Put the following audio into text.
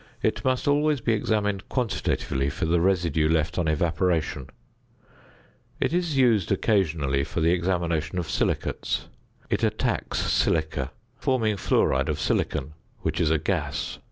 It must always be examined quantitatively for the residue left on evaporation. It is used occasionally for the examination of silicates. It attacks silica, forming fluoride of silicon, which is a gas.